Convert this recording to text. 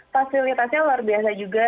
fasilitasnya luar biasa juga